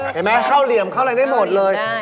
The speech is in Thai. เห็นไหมเขาเหลี่ยมเข้าเลยได้หมดเลย